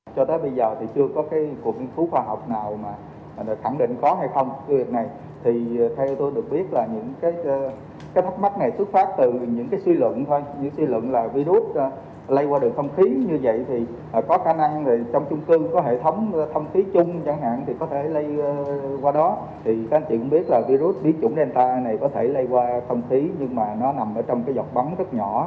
các cơ sở thông gió có thể lây qua thông khí nhưng nó nằm trong dọc bắn rất nhỏ